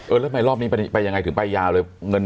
ทำไมรอบนี้ไปยังไงถึงไปยาวเลย